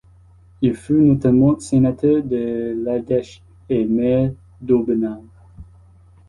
Il fut notamment sénateur de l'Ardèche et maire d'Aubenas.